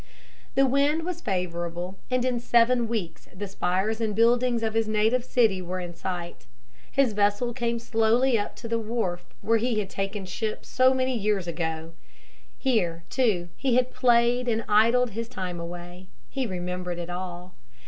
The wind was favorable and in seven weeks the spires and buildings of his native city were in sight. His vessel came slowly up to the wharf where he had taken ship so many years ago. Here, too, he had played and idled his time away. He remembered it all.